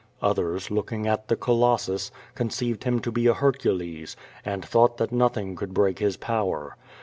Othirs, looking at the Colossus, conceived him to be a Hercu les, Slid thought that nothing could break his power.